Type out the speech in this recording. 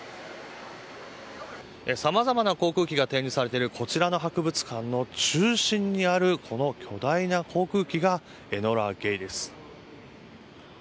さまざまな航空機が展示されているこちらの博物館の中心にあるこの巨大な航空機が「エノラ・ゲイ」です。